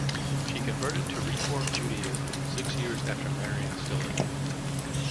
She converted to Reform Judaism six years after marrying Stiller.